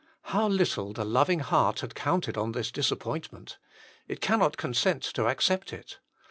How little the loving heart had counted on this disappointment; it cannot consent to accept it.